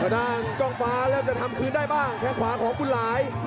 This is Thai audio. ด้านกล้องฟ้าเริ่มจะทำคืนได้บ้างแค่ขวาของคุณหลาย